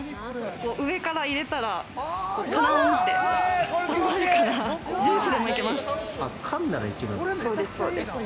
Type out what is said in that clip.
上から入れたらカランって、ジュースでもいけます。